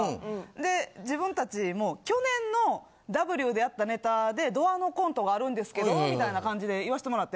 で自分達も去年の『Ｗ』でやったネタでドアのコントがあるんですけどみたいな感じで言わしてもらって。